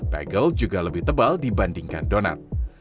bagel juga lebih tebal dibandingkan donat